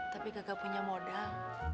tapi kagak punya modal